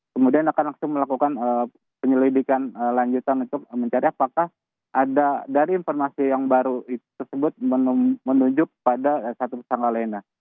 kemudian akan langsung melakukan penyelidikan lanjutan untuk mencari apakah ada dari informasi yang baru tersebut menunjuk pada satu tersangka lainnya